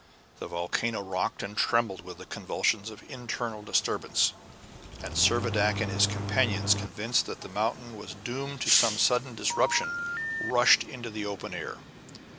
The volcano rocked and trembled with the convulsions of internal disturbance, and Servadac and his companions, convinced that the mountain was doomed to some sudden disruption, rushed into the open air.